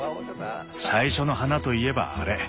最初の花といえばあれ。